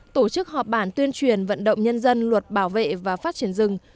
tổ chức họp bản tuyên truyền vận động nhân dân luật bảo vệ và phát triển rừng